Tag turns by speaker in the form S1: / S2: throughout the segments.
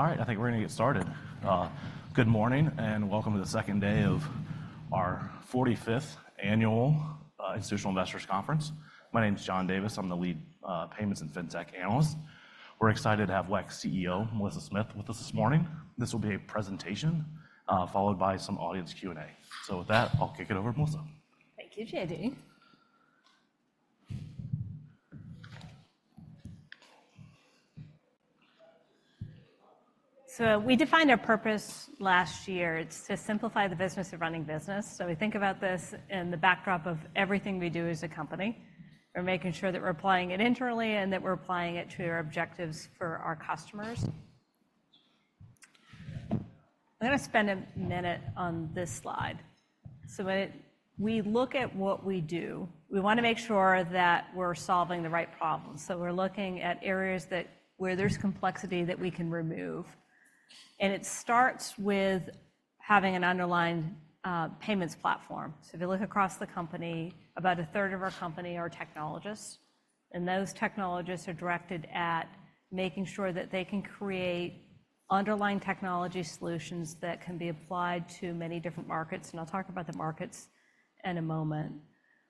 S1: All right, I think we're going to get started. Good morning and welcome to the second day of our 45th Annual Institutional Investors Conference. My name's John Davis. I'm the lead payments and fintech analyst. We're excited to have WEX CEO Melissa Smith with us this morning. This will be a presentation, followed by some audience Q&A. So with that, I'll kick it over to Melissa.
S2: Thank you, Jenny. So, we defined our purpose last year. It's to simplify the business of running business. So we think about this in the backdrop of everything we do as a company. We're making sure that we're applying it internally and that we're applying it to our objectives for our customers. I'm going to spend a minute on this slide. So when we look at what we do, we want to make sure that we're solving the right problems. So we're looking at areas where there's complexity that we can remove. And it starts with having an underlying payments platform. So if you look across the company, about a third of our company are technologists. And those technologists are directed at making sure that they can create underlying technology solutions that can be applied to many different markets. And I'll talk about the markets in a moment.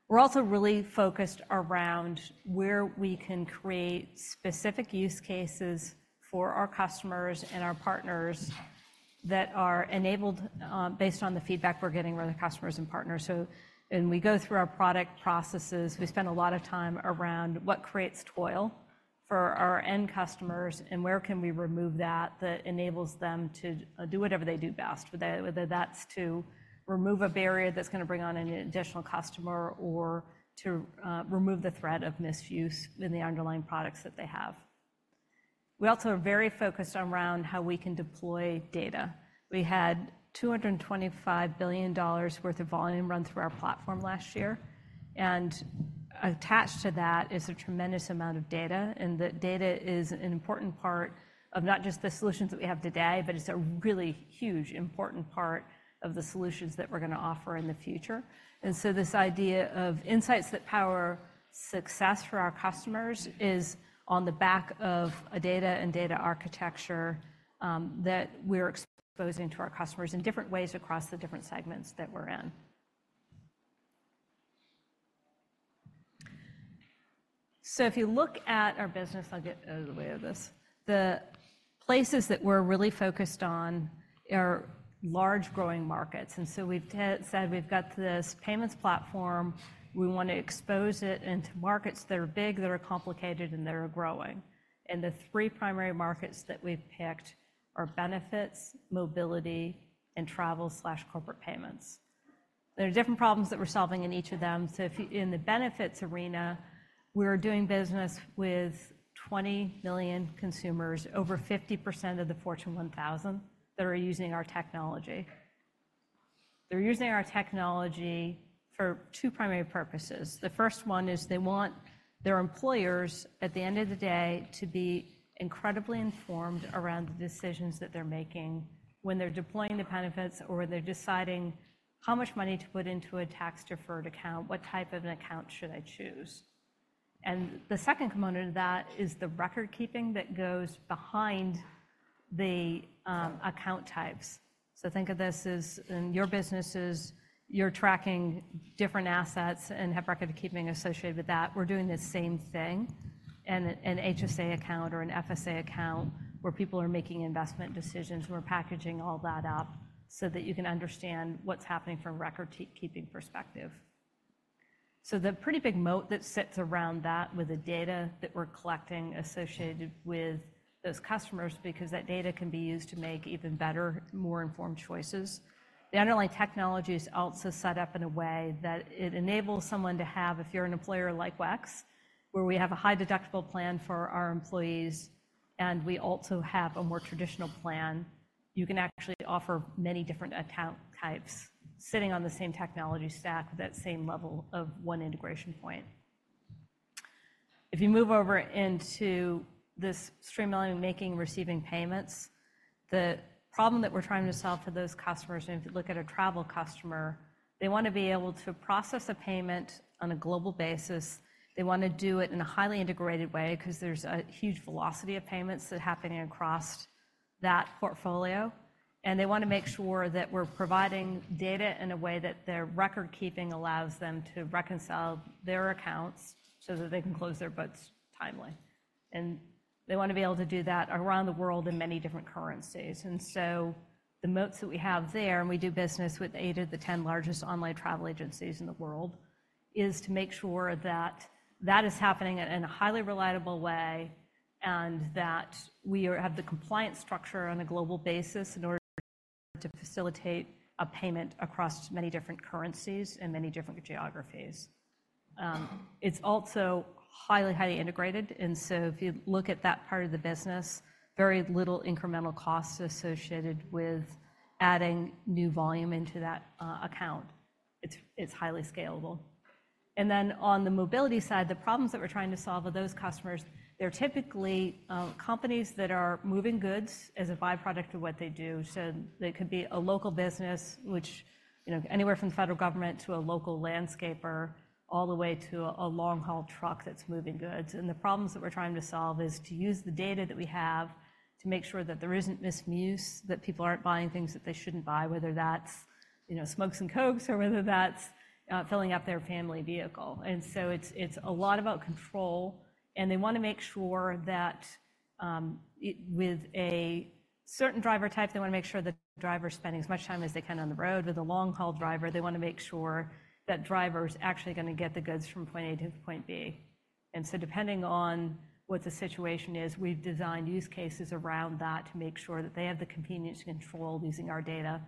S2: We're also really focused around where we can create specific use cases for our customers and our partners that are enabled, based on the feedback we're getting from the customers and partners. So when we go through our product processes, we spend a lot of time around what creates toil for our end customers and where can we remove that that enables them to do whatever they do best, whether that's to remove a barrier that's going to bring on an additional customer or to, remove the threat of misuse in the underlying products that they have. We also are very focused around how we can deploy data. We had $225 billion worth of volume run through our platform last year. Attached to that is a tremendous amount of data. The data is an important part of not just the solutions that we have today, but it's a really huge, important part of the solutions that we're going to offer in the future. And so this idea of insights that power success for our customers is on the back of a data and data architecture, that we're exposing to our customers in different ways across the different segments that we're in. So if you look at our business, I'll get out of the way of this. The places that we're really focused on are large growing markets. And so we've said we've got this payments platform. We want to expose it into markets that are big, that are complicated, and that are growing. And the three primary markets that we've picked are benefits, mobility, and travel/corporate payments. There are different problems that we're solving in each of them. So if you're in the benefits arena, we're doing business with 20 million consumers, over 50% of the Fortune 1000, that are using our technology. They're using our technology for two primary purposes. The first one is they want their employers, at the end of the day, to be incredibly informed around the decisions that they're making when they're deploying the benefits or they're deciding how much money to put into a tax-deferred account, what type of an account should they choose. And the second component of that is the record keeping that goes behind the account types. So think of this as in your businesses, you're tracking different assets and have record keeping associated with that. We're doing the same thing. And an HSA account or an FSA account where people are making investment decisions. We're packaging all that up so that you can understand what's happening from a record keeping perspective. So the pretty big moat that sits around that with the data that we're collecting associated with those customers, because that data can be used to make even better, more informed choices. The underlying technology is also set up in a way that it enables someone to have, if you're an employer like WEX, where we have a high deductible plan for our employees, and we also have a more traditional plan, you can actually offer many different account types sitting on the same technology stack with that same level of one integration point. If you move over into this streamlining making receiving payments, the problem that we're trying to solve for those customers, and if you look at a travel customer, they want to be able to process a payment on a global basis. They want to do it in a highly integrated way because there's a huge velocity of payments that's happening across that portfolio. And they want to make sure that we're providing data in a way that their record keeping allows them to reconcile their accounts so that they can close their books timely. And they want to be able to do that around the world in many different currencies. And so the moats that we have there, and we do business with 8 of the 10 largest online travel agencies in the world, is to make sure that that is happening in a highly reliable way and that we have the compliance structure on a global basis in order to facilitate a payment across many different currencies and many different geographies. It's also highly, highly integrated. And so if you look at that part of the business, very little incremental costs associated with adding new volume into that account. It's highly scalable. And then on the mobility side, the problems that we're trying to solve with those customers, they're typically companies that are moving goods as a byproduct of what they do. So they could be a local business, which, you know, anywhere from the federal government to a local landscaper, all the way to a long-haul truck that's moving goods. And the problems that we're trying to solve is to use the data that we have to make sure that there isn't misuse, that people aren't buying things that they shouldn't buy, whether that's, you know, smokes and Cokes or whether that's filling up their family vehicle. And so it's a lot about control. And they want to make sure that, with a certain driver type, they want to make sure that the driver's spending as much time as they can on the road. With a long-haul driver, they want to make sure that driver's actually going to get the goods from point A to point B. And so depending on what the situation is, we've designed use cases around that to make sure that they have the convenience to control using our data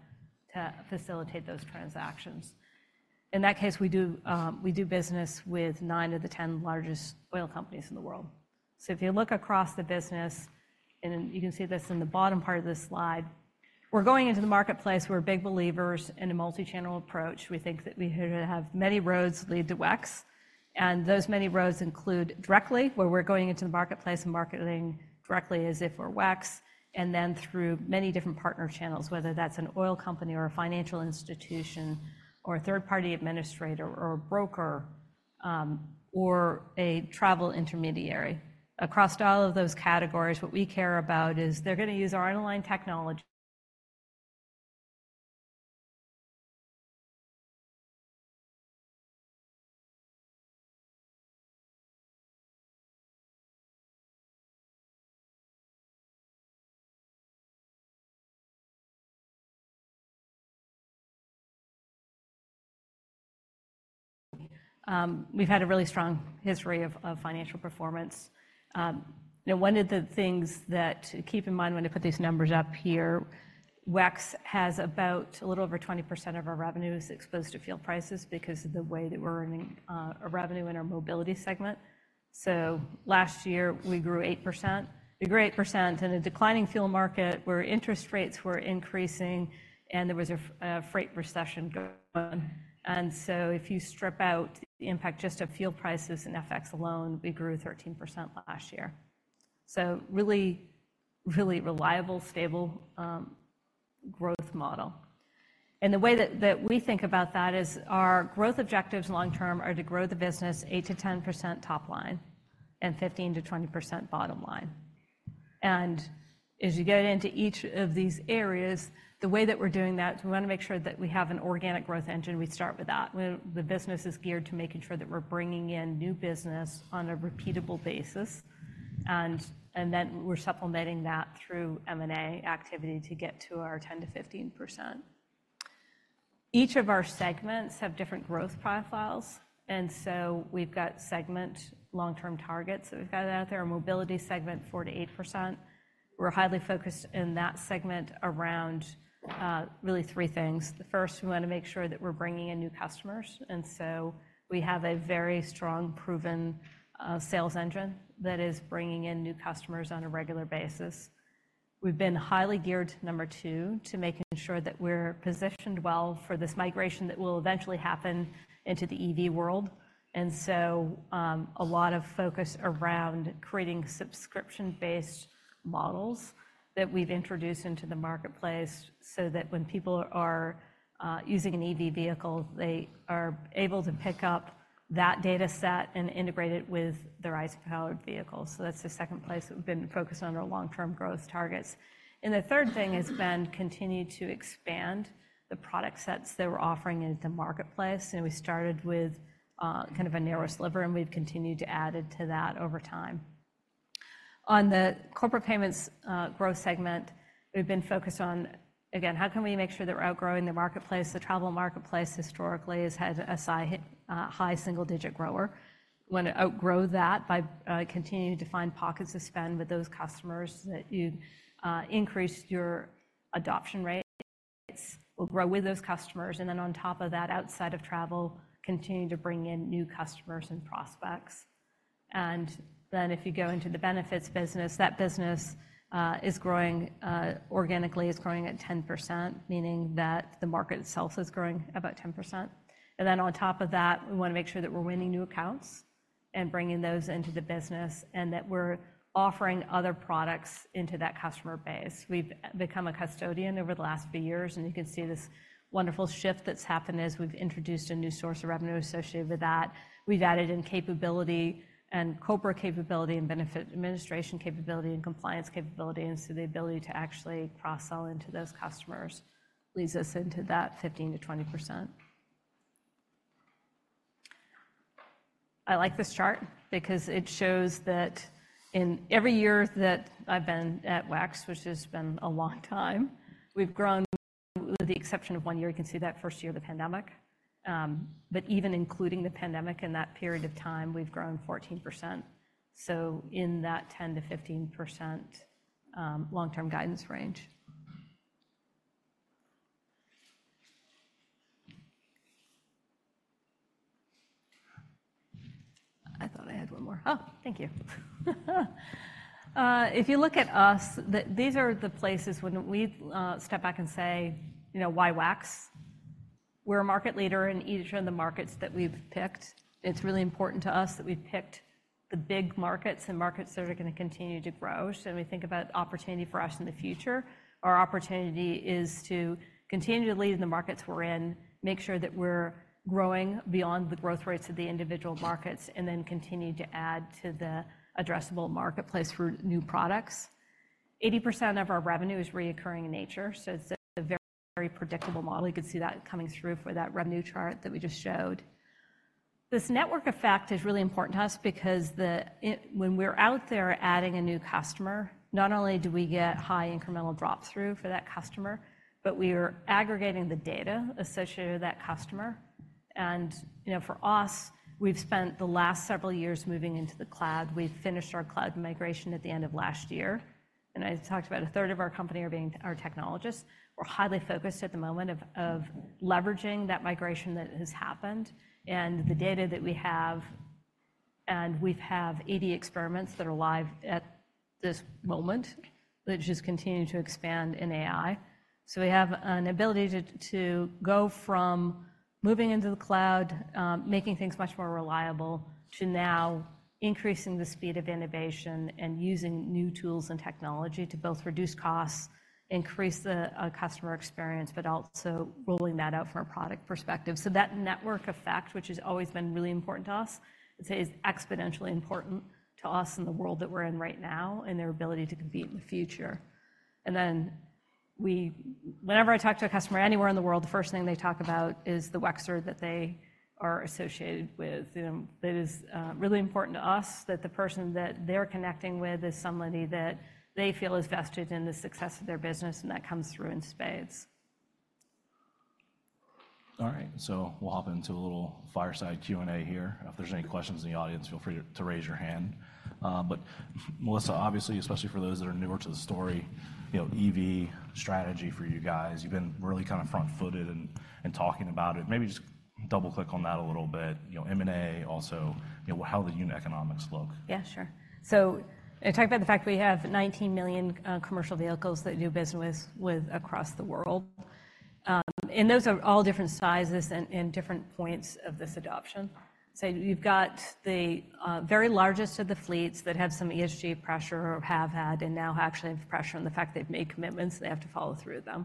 S2: to facilitate those transactions. In that case, we do, we do business with 9 of the 10 largest oil companies in the world. So if you look across the business, and you can see this in the bottom part of this slide, we're going into the marketplace. We're big believers in a multi-channel approach. We think that we should have many roads lead to WEX. And those many roads include directly, where we're going into the marketplace and marketing directly as if we're WEX, and then through many different partner channels, whether that's an oil company or a financial institution or a third-party administrator or a broker, or a travel intermediary. Across all of those categories, what we care about is they're going to use our underlying technology. We've had a really strong history of, of financial performance. You know, one of the things that keep in mind when I put these numbers up here, WEX has about a little over 20% of our revenues exposed to fuel prices because of the way that we're earning, revenue in our mobility segment. So last year, we grew 8%. We grew 8% in a declining fuel market where interest rates were increasing and there was a freight recession going. And so if you strip out the impact just of fuel prices and FX alone, we grew 13% last year. So really, really reliable, stable, growth model. The way that we think about that is our growth objectives long-term are to grow the business 8%-10% top line and 15%-20% bottom line. As you get into each of these areas, the way that we're doing that, we want to make sure that we have an organic growth engine. We start with that. The business is geared to making sure that we're bringing in new business on a repeatable basis. Then we're supplementing that through M&A activity to get to our 10%-15%. Each of our segments have different growth profiles. We've got segment long-term targets. We've got it out there. Our Mobility segment, 4%-8%. We're highly focused in that segment around, really three things. The first, we want to make sure that we're bringing in new customers. And so we have a very strong, proven, sales engine that is bringing in new customers on a regular basis. We've been highly geared, number two, to making sure that we're positioned well for this migration that will eventually happen into the EV world. And so, a lot of focus around creating subscription-based models that we've introduced into the marketplace so that when people are, using an EV vehicle, they are able to pick up that data set and integrate it with their ICE-powered vehicle. So that's the second place that we've been focused on our long-term growth targets. And the third thing has been continue to expand the product sets that we're offering into the marketplace. And we started with, kind of a narrow sliver, and we've continued to add it to that over time. On the Corporate Payments growth segment, we've been focused on, again, how we can make sure that we're outgrowing the marketplace. The travel marketplace historically has had a high single-digit growth. We want to outgrow that by continuing to find pockets of spend with those customers that you increase your adoption rates. We'll grow with those customers. And then on top of that, outside of travel, continue to bring in new customers and prospects. And then if you go into the Benefits business, that business is growing organically at 10%, meaning that the market itself is growing about 10%. And then on top of that, we want to make sure that we're winning new accounts and bringing those into the business and that we're offering other products into that customer base. We've become a custodian over the last few years. And you can see this wonderful shift that's happened as we've introduced a new source of revenue associated with that. We've added in capability and corporate capability and benefit administration capability and compliance capability. And so the ability to actually cross-sell into those customers leads us into that 15%-20%. I like this chart because it shows that in every year that I've been at WEX, which has been a long time, we've grown with the exception of one year. You can see that first year of the pandemic. But even including the pandemic in that period of time, we've grown 14%. So in that 10%-15%, long-term guidance range. I thought I had one more. Oh, thank you. If you look at us, these are the places when we step back and say, you know, why WEX? We're a market leader in each of the markets that we've picked. It's really important to us that we've picked the big markets and markets that are going to continue to grow. So when we think about opportunity for us in the future, our opportunity is to continue to lead in the markets we're in, make sure that we're growing beyond the growth rates of the individual markets, and then continue to add to the addressable marketplace for new products. 80% of our revenue is recurring in nature. So it's a very predictable model. You can see that coming through for that revenue chart that we just showed. This network effect is really important to us because when we're out there adding a new customer, not only do we get high incremental drop-through for that customer, but we are aggregating the data associated with that customer. You know, for us, we've spent the last several years moving into the cloud. We've finished our cloud migration at the end of last year. I talked about a third of our company are being our technologists. We're highly focused at the moment of leveraging that migration that has happened and the data that we have. We have 80 experiments that are live at this moment that just continue to expand in AI. We have an ability to go from moving into the cloud, making things much more reliable, to now increasing the speed of innovation and using new tools and technology to both reduce costs, increase the customer experience, but also rolling that out from a product perspective. So that network effect, which has always been really important to us, is exponentially important to us in the world that we're in right now and their ability to compete in the future. And then we, whenever I talk to a customer anywhere in the world, the first thing they talk about is the WEXer that they are associated with. You know, it is really important to us that the person that they're connecting with is somebody that they feel is vested in the success of their business, and that comes through in spades.
S1: All right. So we'll hop into a little fireside Q&A here. If there's any questions in the audience, feel free to raise your hand. But Melissa, obviously, especially for those that are newer to the story, you know, EV strategy for you guys, you've been really kind of front-footed and talking about it. Maybe just double-click on that a little bit. You know, M&A, also, you know, how the unit economics look.
S2: Yeah, sure. So I talked about the fact we have 19 million commercial vehicles that do business with across the world. Those are all different sizes and different points of this adoption. So you've got the very largest of the fleets that have some ESG pressure or have had and now actually have pressure on the fact they've made commitments and they have to follow through with them.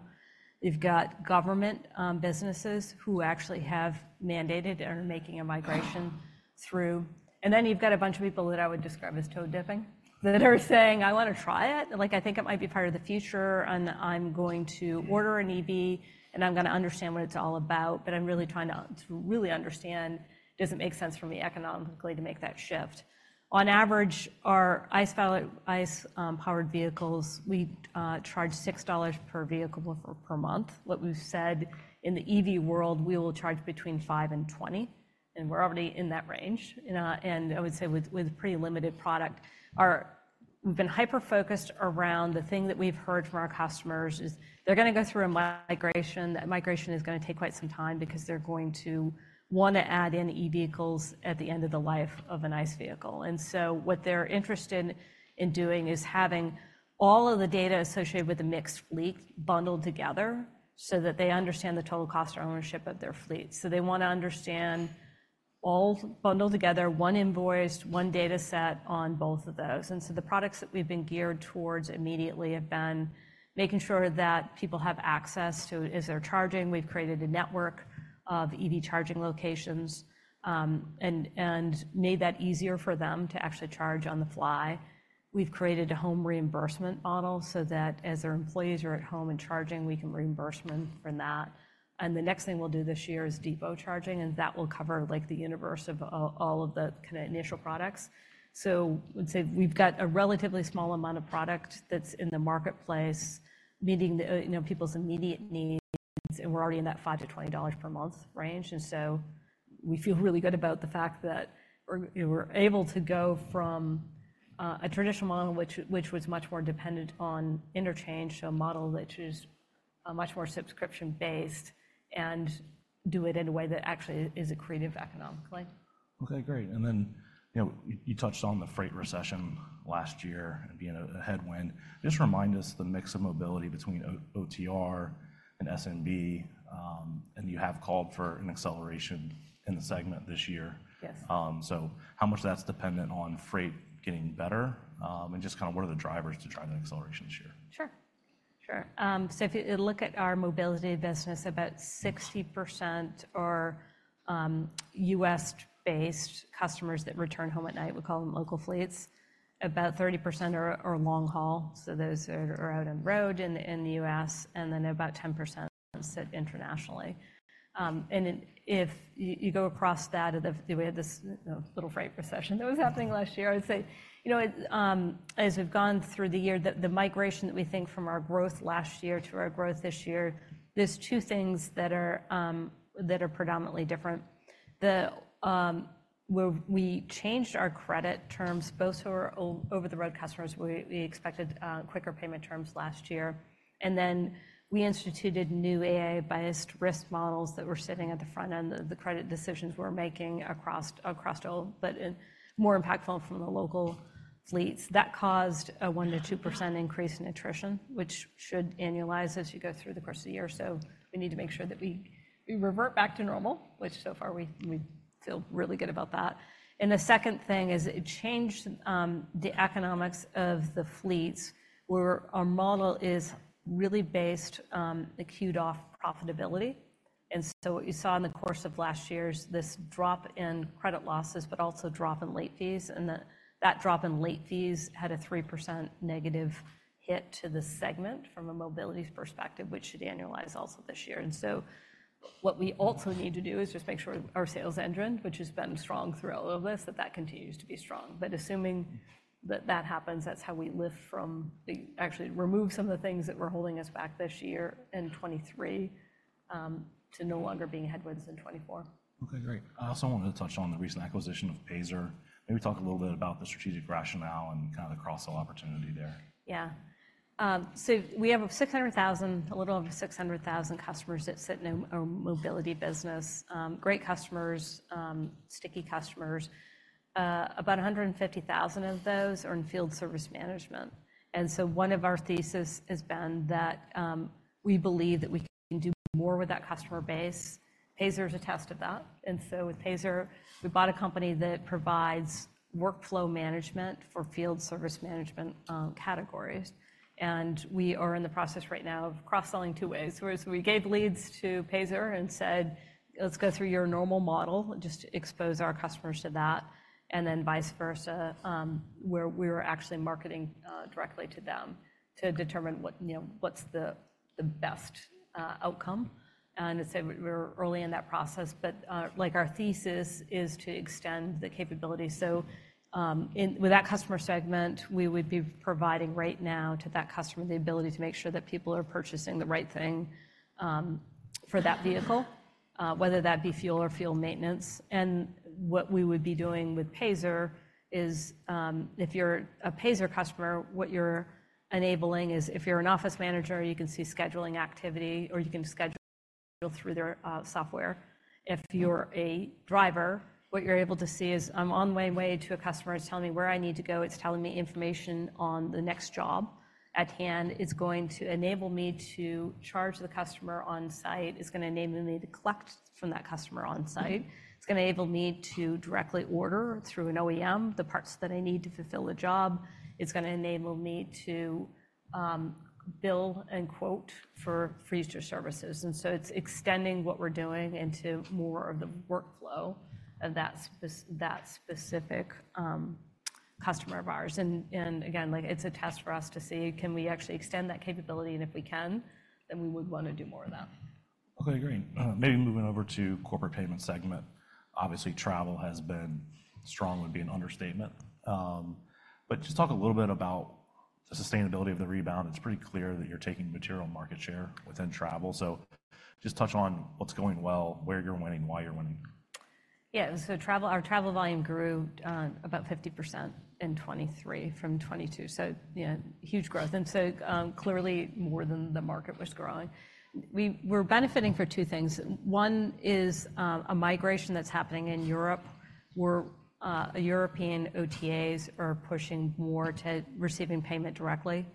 S2: You've got government businesses who actually have mandated and are making a migration through. And then you've got a bunch of people that I would describe as toe-dipping that are saying, "I want to try it. Like, I think it might be part of the future and I'm going to order an EV and I'm going to understand what it's all about, but I'm really trying to really understand, does it make sense for me economically to make that shift?" On average, our ICE-powered vehicles, we charge $6 per vehicle per month. What we've said in the EV world, we will charge between $5-$20. And we're already in that range. And I would say with pretty limited product, we've been hyper-focused around the thing that we've heard from our customers is they're going to go through a migration. That migration is going to take quite some time because they're going to want to add in EV vehicles at the end of the life of an ICE vehicle. What they're interested in doing is having all of the data associated with the mixed fleet bundled together so that they understand the total cost of ownership of their fleet. So they want to understand all bundled together, one invoiced, one data set on both of those. And so the products that we've been geared towards immediately have been making sure that people have access to as they're charging. We've created a network of EV charging locations, and made that easier for them to actually charge on the fly. We've created a home reimbursement model so that as their employees are at home and charging, we can reimburse them for that. And the next thing we'll do this year is depot charging, and that will cover like the universe of all of the kind of initial products. So I would say we've got a relatively small amount of product that's in the marketplace meeting the, you know, people's immediate needs, and we're already in that $5-$20 per month range. And so we feel really good about the fact that we're able to go from a traditional model which was much more dependent on interchange, so a model that's just much more subscription-based, and do it in a way that actually is a creative economically.
S1: Okay, great. And then, you know, you touched on the freight recession last year and being a headwind. Just remind us the mix of mobility between OTR and SMB, and you have called for an acceleration in the segment this year. Yes. So how much of that's dependent on freight getting better, and just kind of what are the drivers to try that acceleration this year? Sure. Sure.
S2: So if you look at our mobility business, about 60% are U.S.-based customers that return home at night. We call them local fleets. About 30% are long-haul. So those are out on the road in the U.S., and then about 10% sit internationally. And if you go across that of the way of this little freight recession that was happening last year, I would say, you know, as we've gone through the year, the migration that we think from our growth last year to our growth this year, there's two things that are, that are predominantly different. The, where we changed our credit terms, both for our over-the-road customers, we expected quicker payment terms last year. And then we instituted new AI-based risk models that were sitting at the front end of the credit decisions we were making across all, but more impactful from the local fleets. That caused a 1%-2% increase in attrition, which should annualize as you go through the course of the year. So we need to make sure that we revert back to normal, which so far we feel really good about that. And the second thing is it changed, the economics of the fleets where our model is really based, acute-off profitability. And so what you saw in the course of last year is this drop in credit losses, but also drop in late fees. And that drop in late fees had a 3% negative hit to the segment from a mobility perspective, which should annualize also this year. And so what we also need to do is just make sure our sales engine, which has been strong through all of this, that that continues to be strong. But assuming that that happens, that's how we lift from, actually remove some of the things that were holding us back this year in 2023, to no longer being headwinds in 2024.
S1: Okay, great. I also wanted to touch on the recent acquisition of Payzer. Maybe talk a little bit about the strategic rationale and kind of the cross-sell opportunity there.
S2: Yeah. So we have a 600,000, a little over 600,000 customers that sit in our mobility business. Great customers, sticky customers. About 150,000 of those are in field service management. And so one of our theses has been that, we believe that we can do more with that customer base. Payzer is a test of that. And so with Payzer, we bought a company that provides workflow management for field service management, categories. And we are in the process right now of cross-selling two ways. Whereas we gave leads to Payzer and said, "Let's go through your normal model, just expose our customers to that," and then vice versa, where we were actually marketing directly to them to determine what, you know, what's the best outcome. And I'd say we're early in that process. But, like our thesis is to extend the capability. So, in with that customer segment, we would be providing right now to that customer the ability to make sure that people are purchasing the right thing for that vehicle, whether that be fuel or fuel maintenance. And what we would be doing with Payzer is, if you're a Payzer customer, what you're enabling is if you're an office manager, you can see scheduling activity or you can schedule through their software. If you're a driver, what you're able to see is, "I'm on my way to a customer. It's telling me where I need to go. It's telling me information on the next job at hand. It's going to enable me to charge the customer on-site. It's going to enable me to collect from that customer on-site. It's going to enable me to directly order through an OEM the parts that I need to fulfill the job. It's going to enable me to bill and quote for freezer services." And so it's extending what we're doing into more of the workflow of that specific customer of ours. And again, like it's a test for us to see, can we actually extend that capability? And if we can, then we would want to do more of that.
S1: Okay, great. Maybe moving over to corporate payment segment. Obviously, travel has been strong would be an understatement, but just talk a little bit about the sustainability of the rebound. It's pretty clear that you're taking material market share within travel. So just touch on what's going well, where you're winning, why you're winning.
S2: Yeah. So travel, our travel volume grew about 50% in 2023 from 2022. So, you know, huge growth. And so, clearly more than the market was growing. We were benefiting for two things. One is a migration that's happening in Europe where European OTAs are pushing more to receiving payment directly,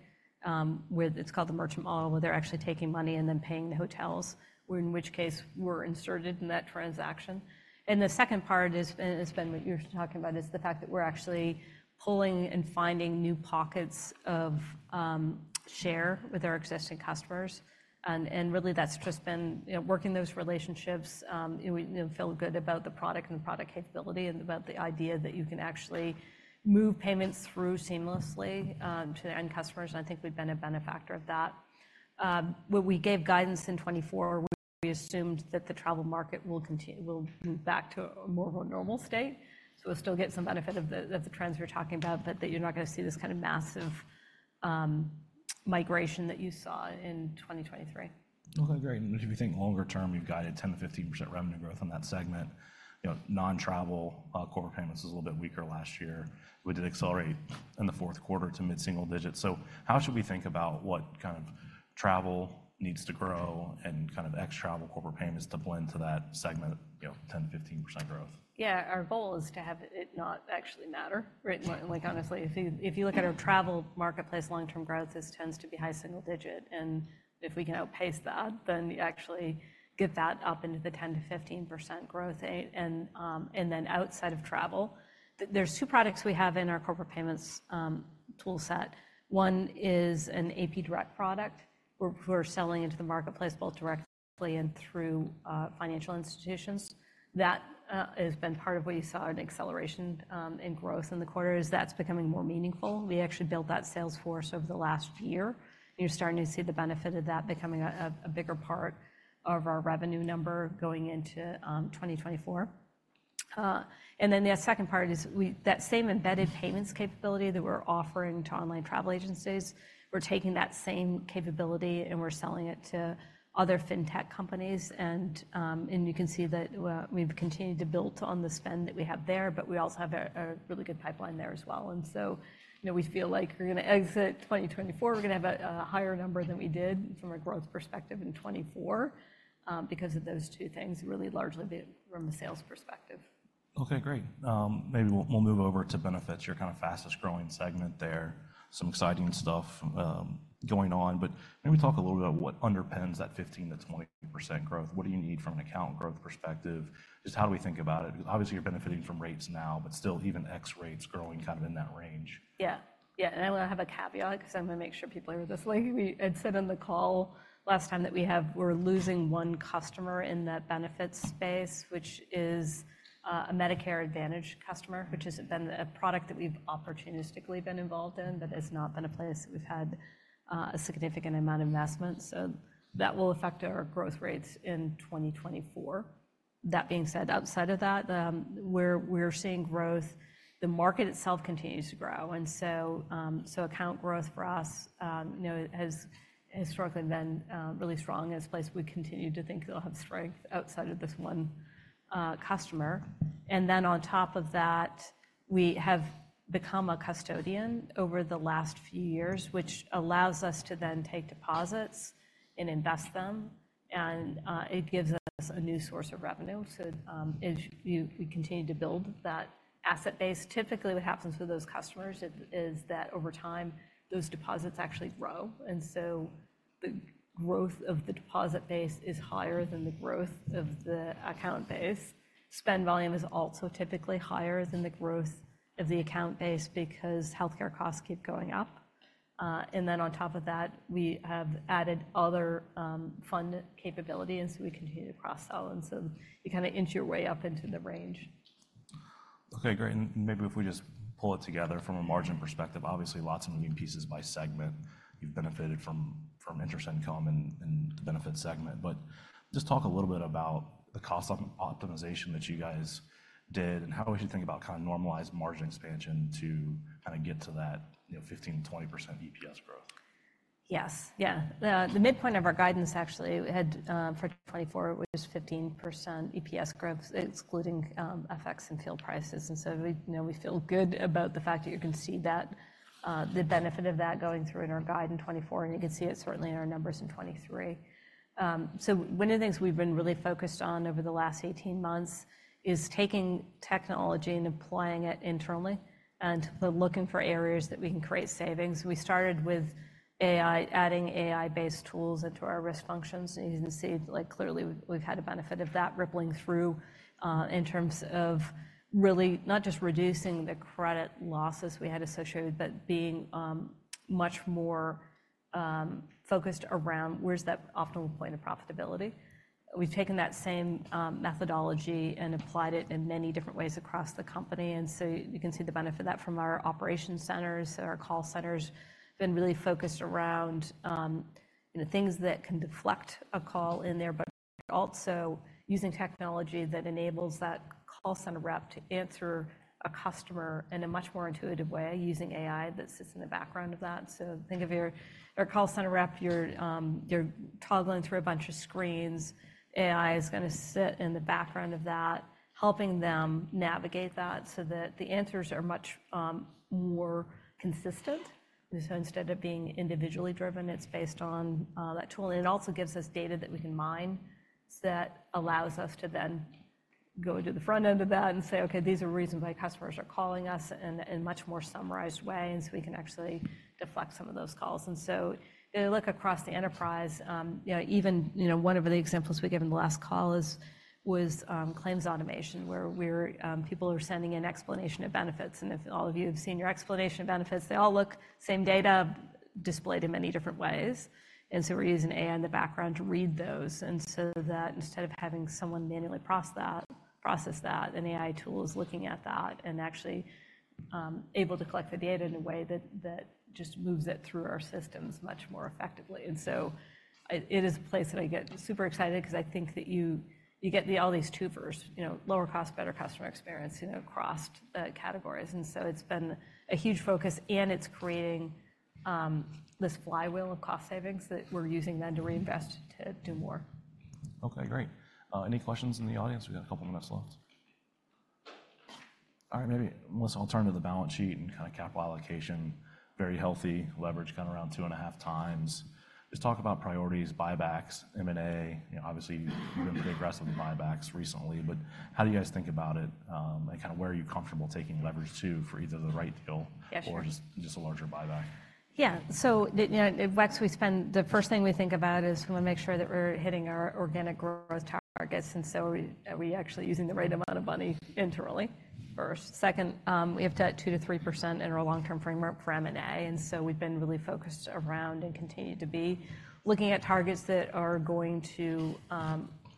S2: with it's called the merchant model where they're actually taking money and then paying the hotels, in which case we're inserted in that transaction. And the second part has been what you were talking about is the fact that we're actually pulling and finding new pockets of share with our existing customers. And really that's just been, you know, working those relationships. You know, feel good about the product and the product capability and about the idea that you can actually move payments through seamlessly to the end customers. And I think we've been a benefactor of that. What we gave guidance in 2024, we assumed that the travel market will continue will move back to a more of a normal state. So we'll still get some benefit of the of the trends we're talking about, but that you're not going to see this kind of massive migration that you saw in 2023.
S1: Okay, great. And if you think longer term, you've got a 10%-15% revenue growth on that segment. You know, non-travel corporate payments was a little bit weaker last year. We did accelerate in the fourth quarter to mid-single digit. So how should we think about what kind of travel needs to grow and kind of ex-travel corporate payments to blend to that segment, you know, 10%-15% growth?
S2: Yeah, our goal is to have it not actually matter. Right? Like, honestly, if you look at our travel marketplace long-term growth, this tends to be high single-digit. If we can outpace that, then actually get that up into the 10%-15% growth. Then outside of travel, there are two products we have in our Corporate Payments toolset. One is an AP Direct product where we're selling into the marketplace both directly and through financial institutions. That has been part of what you saw: an acceleration in growth in the quarter, as that's becoming more meaningful. We actually built that sales force over the last year. You're starting to see the benefit of that becoming a bigger part of our revenue number going into 2024. And then the second part is we that same embedded payments capability that we're offering to online travel agencies, we're taking that same capability and we're selling it to other fintech companies. And you can see that we've continued to build on the spend that we have there, but we also have a really good pipeline there as well. And so, you know, we feel like we're going to exit 2024. We're going to have a higher number than we did from a growth perspective in 2024, because of those two things really largely from a sales perspective.
S1: Okay, great. Maybe we'll move over to Benefits. You're kind of fastest growing segment there. Some exciting stuff going on. But maybe talk a little bit about what underpins that 15%-20% growth. What do you need from an account growth perspective? Just how do we think about it? Obviously, you're benefiting from rates now, but still even ex rates growing kind of in that range.
S2: Yeah. Yeah. And I want to have a caveat because I want to make sure people hear this. Like we had said on the call last time that we're losing one customer in that benefits space, which is a Medicare Advantage customer, which has been a product that we've opportunistically been involved in, but it's not been a place that we've had a significant amount of investment. So that will affect our growth rates in 2024. That being said, outside of that, we're seeing growth. The market itself continues to grow. And so account growth for us, you know, has historically been really strong in this space. We continue to think they'll have strength outside of this one customer. And then on top of that, we have become a custodian over the last few years, which allows us to then take deposits and invest them. It gives us a new source of revenue. So, if we continue to build that asset base, typically what happens with those customers is that over time, those deposits actually grow. And so the growth of the deposit base is higher than the growth of the account base. Spend volume is also typically higher than the growth of the account base because healthcare costs keep going up. And then on top of that, we have added other fund capability, and so we continue to cross-sell. And so you kind of inch your way up into the range.
S1: Okay, great. And maybe if we just pull it together from a margin perspective, obviously lots of moving pieces by segment. You've benefited from interest income and the benefit segment. But just talk a little bit about the cost optimization that you guys did and how we should think about kind of normalized margin expansion to kind of get to that, you know, 15%-20% EPS growth.
S2: Yes. Yeah. The midpoint of our guidance actually had for 2024 was 15% EPS growth excluding FX and fuel prices. And so we, you know, we feel good about the fact that you can see that, the benefit of that going through in our guide in 2024, and you can see it certainly in our numbers in 2023. So, one of the things we've been really focused on over the last 18 months is taking technology and applying it internally and looking for areas that we can create savings. We started with AI, adding AI-based tools into our risk functions. And you can see, like, clearly we've had a benefit of that rippling through, in terms of really not just reducing the credit losses we had associated with, but being, much more, focused around where's that optimal point of profitability. We've taken that same methodology and applied it in many different ways across the company. And so you can see the benefit of that from our operations centers. So our call centers have been really focused around, you know, things that can deflect a call in there, but also using technology that enables that call center rep to answer a customer in a much more intuitive way using AI that sits in the background of that. So think of your call center rep. You're toggling through a bunch of screens. AI is going to sit in the background of that, helping them navigate that so that the answers are much more consistent. So instead of being individually driven, it's based on that tool. And it also gives us data that we can mine that allows us to then go to the front end of that and say, "Okay, these are reasons why customers are calling us in a much more summarized way." And so we can actually deflect some of those calls. And so if you look across the enterprise, you know, even, you know, one of the examples we gave in the last call is claims automation where people are sending in explanation of benefits. And if all of you have seen your explanation of benefits, they all look same data displayed in many different ways. And so we're using AI in the background to read those. And so that instead of having someone manually process that, an AI tool is looking at that and actually able to collect the data in a way that just moves it through our systems much more effectively. And so it is a place that I get super excited because I think that you get the all these two first, you know, lower cost, better customer experience, you know, across the categories. And so it's been a huge focus, and it's creating this flywheel of cost savings that we're using then to reinvest to do more.
S1: Okay, great. Any questions in the audience? We got a couple minutes left. All right. Maybe, Melissa, I'll turn to the balance sheet and kind of capital allocation. Very healthy leverage kind of around 2.5x. Just talk about priorities, buybacks, M&A. You know, obviously, you've been pretty aggressive with buybacks recently, but how do you guys think about it? And kind of where are you comfortable taking leverage to for either the right deal or just a larger buyback?
S2: Yeah. So, you know, at WEX, we spend the first thing we think about is we want to make sure that we're hitting our organic growth targets. And so are we actually using the right amount of money internally? First. Second, we have to at 2%-3% in our long-term framework for M&A. And so we've been really focused around and continue to be looking at targets that are going to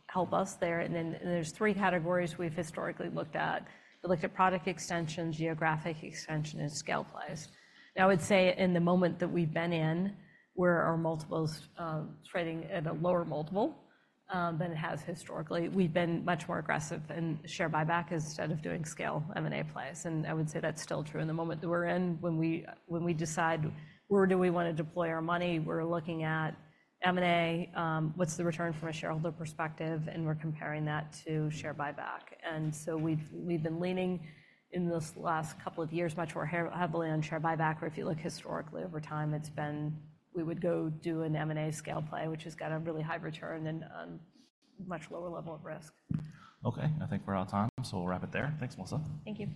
S2: help us there. And then there's three categories we've historically looked at. We looked at product extension, geographic extension, and scale plays. Now, I would say in the moment that we've been in, where our multiple is trading at a lower multiple than it has historically, we've been much more aggressive in share buyback instead of doing scale M&A plays. And I would say that's still true. In the moment that we're in, when we decide where do we want to deploy our money, we're looking at M&A, what's the return from a shareholder perspective, and we're comparing that to share buyback. And so we've been leaning in this last couple of years much more heavily on share buyback, where if you look historically over time, it's been we would go do an M&A scale play, which has got a really high return and much lower level of risk.
S1: Okay. I think we're out of time, so we'll wrap it there. Thanks, Melissa. Thank you.